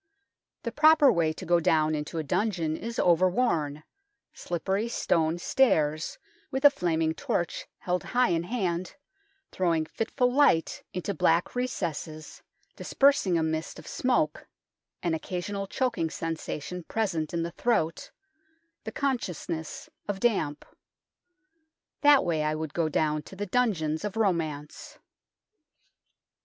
The proper way to go down into a dungeon is over worn, slippery stone stairs, with a flaming torch held high in hand, throwing fitful light into black recesses, dispersing a mist of smoke an occasional choking sensation present in the throat, the consciousness of damp. That way I would go down to the dungeons of romance.